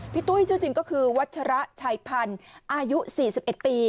ตุ้ยชื่อจริงก็คือวัชระชัยพันธ์อายุ๔๑ปี